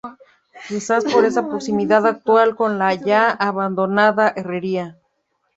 Quizás por esa proximidad actual con la ya abandonada herrería.